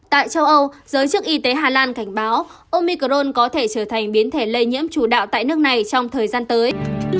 tại châu âu giới chức y tế hà lan cảnh báo omicron có thể trở thành biến thể lây nhiễm chủ đạo tại nước này trong thời gian tới